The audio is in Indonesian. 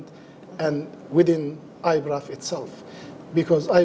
dan di dalam alam bandung itu sendiri